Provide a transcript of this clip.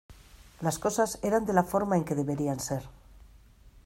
Las cosas eran de la forma en que deberían ser